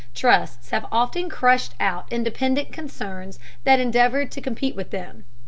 Trusts have often crushed out independent concerns that endeavored to compete with them.